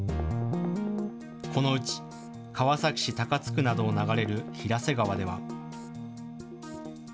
このうち川崎市高津区などを流れる平瀬川では。